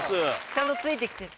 ちゃんとついてきてる。